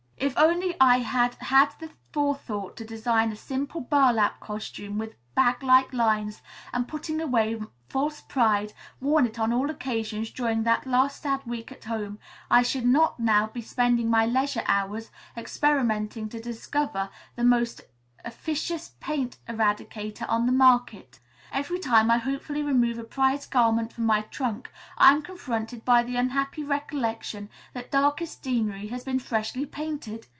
"If only I had had the forethought to design a simple burlap costume with bag like lines, and putting away false pride, worn it on all occasions during that last sad week at home, I should not now be spending my leisure hours experimenting to discover the most efficacious paint eradicator on the market. Every time I hopefully remove a prized garment from my trunk, I am confronted by the unhappy recollection that darkest Deanery has been freshly painted.